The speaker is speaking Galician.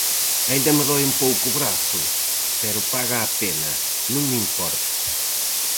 Aínda me doe un pouco o brazo, pero paga a pena, non me importa.